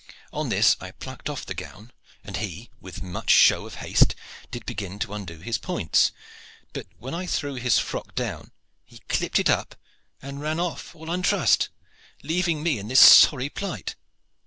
On this I plucked off the gown, and he with much show of haste did begin to undo his points; but when I threw his frock down he clipped it up and ran off all untrussed, leaving me in this sorry plight.